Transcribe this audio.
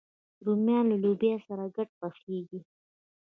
رومیان له لوبیا سره ګډ پخېږي